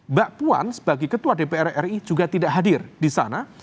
mbak puan sebagai ketua dpr ri juga tidak hadir di sana